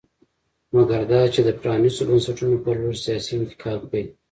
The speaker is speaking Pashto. مګر دا چې د پرانېستو بنسټونو په لور سیاسي انتقال پیل کړي